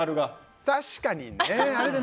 確かにね